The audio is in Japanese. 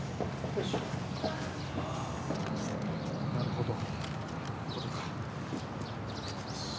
なるほど。